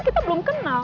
kita belum kenal